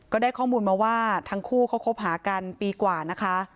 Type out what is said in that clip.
ก็ได้ข้อมูลมาว่าทั้งคู่เขาคบหากันปีกว่านะคะ